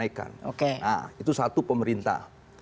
itu satu pemerintah